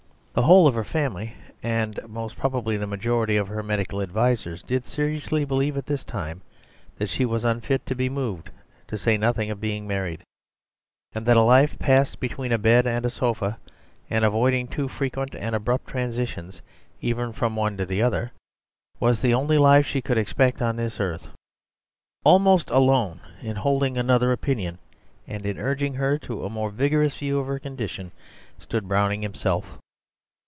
The whole of her family, and most probably the majority of her medical advisers, did seriously believe at this time that she was unfit to be moved, to say nothing of being married, and that a life passed between a bed and a sofa, and avoiding too frequent and abrupt transitions even from one to the other, was the only life she could expect on this earth. Almost alone in holding another opinion and in urging her to a more vigorous view of her condition, stood Browning himself.